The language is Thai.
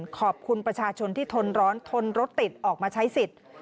ขอบคุณประชาชนที่ทนร้อนทนรถติดออกมาใช้สิทธิ์